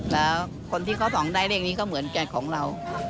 แล้วคนที่เขาส่องได้เลขนี้ก็เหมือนกันของเรา